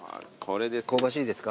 香ばしいですか？